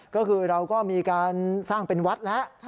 ก็คือเราก็มีการสร้างเป็นวัดแล้ว